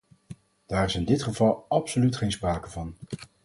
Daar is in dit geval absoluut geen sprake van.